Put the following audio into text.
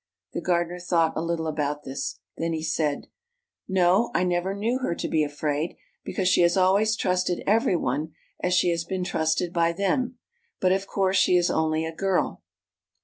" The gardener thought a little about this. Then he said: " No, I never knew her to be afraid, because she has always trusted every one as she has been trusted by them. But, of course, she is only a girl."